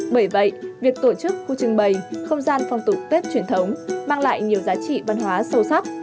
bởi vậy việc tổ chức khu trưng bày không gian phong tục tết truyền thống mang lại nhiều giá trị văn hóa sâu sắc